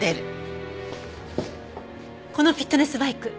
このフィットネスバイク